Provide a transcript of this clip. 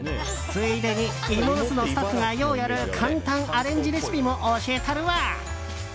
ついでに芋の巣のスタッフがようやる簡単アレンジレシピも教えたるわ。